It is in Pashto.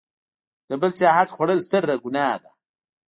د بل چاحق خوړل ستره ګناه ده.